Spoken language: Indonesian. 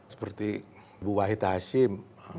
seperti ibu wahid hashim